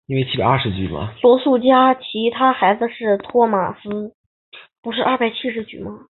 罗素家其他孩子是托马斯。